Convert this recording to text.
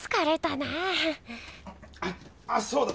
あっそうだ！